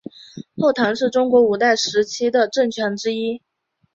后唐是中国五代时期的政权之一。